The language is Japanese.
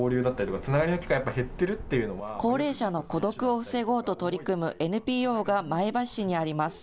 高齢者の孤独を防ごうと取り組むＮＰＯが前橋市にあります。